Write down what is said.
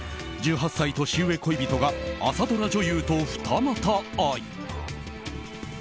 １８歳年上恋人が朝ドラ女優と二股愛。